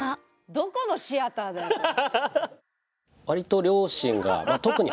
どこのシアターだよこれ。